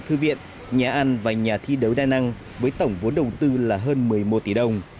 thư viện nhà an và nhà thi đấu đa năng với tổng vốn đầu tư là hơn một mươi một tỷ đồng